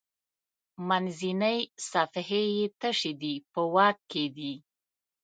منځنۍ صفحې یې تشې دي په واک کې دي.